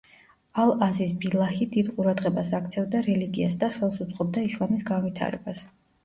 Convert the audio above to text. ალ-აზიზ ბილაჰი დიდ ყურადღებას აქცევდა რელიგიას და ხელს უწყობდა ისლამის განვითარებას.